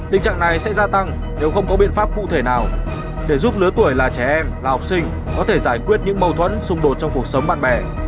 tình trạng này sẽ gia tăng nếu không có biện pháp cụ thể nào để giúp lứa tuổi là trẻ em là học sinh có thể giải quyết những mâu thuẫn xung đột trong cuộc sống bạn bè